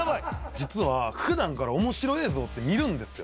実は、ふだんから面白映像って見るんですよ。